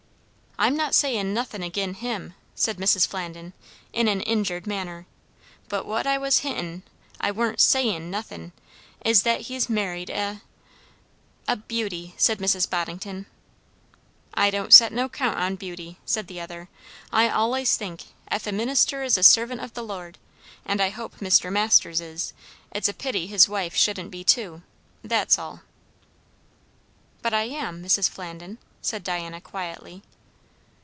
"I'm not sayin' nothin' agin him," said Mrs. Flandin in an injured manner; "but what I was hintin', I warn't sayin' nothin', is that he's married a" "A beauty" said Mrs. Boddington. "I don't set no count on beauty," said the other. "I allays think, ef a minister is a servant of the Lord, and I hope Mr. Masters is, it's a pity his wife shouldn't be too. That's all." "But I am, Mrs. Flandin," said Diana quietly.